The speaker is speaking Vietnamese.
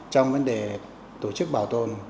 trong vấn đề tổ chức bảo tồn